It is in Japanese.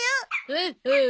ほうほう。